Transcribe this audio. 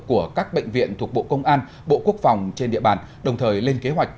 của các bệnh viện thuộc bộ công an bộ quốc phòng trên địa bàn đồng thời lên kế hoạch